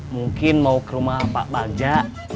mungkin mau ke rumah pak palja